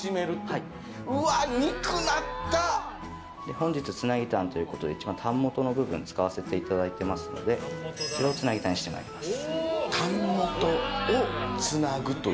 本日、繋ぎタンということで一番タン元の部分を使わせていただいていますのでそれを繋ぎタンにしてまいります。